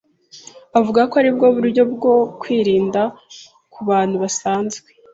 avuga ko ari bwo buryo bwo kwirinda ku bantu basanzwe.